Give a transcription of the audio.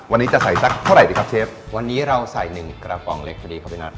วันนี้จะใส่สักเท่าไหร่ดีครับเชฟวันนี้เราใส่หนึ่งกระป๋องเล็กพอดีครับพี่นัท